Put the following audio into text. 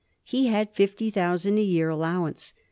He had fifty thousand a year al lowance.